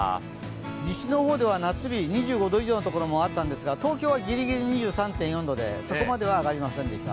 西の方では夏日、２５度以上のところもあったんですが、東京はぎりぎり２３．４度でそこまでは上がりませんでした。